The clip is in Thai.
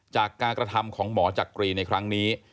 จากการกระทำของหมอจักรีในครั้งนี้